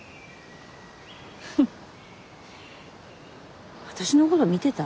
フフッ私のこと見てた？